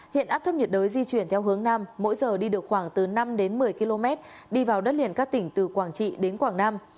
hiện áp thấp nhiệt đới di chuyển theo hướng nam mỗi giờ đi được khoảng từ năm đến một mươi km đi vào đất liền các tỉnh từ quảng trị đến quảng nam